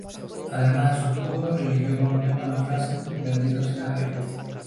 Además de su escudo, eligió como lema, la frase: "Bendito Sea Dios".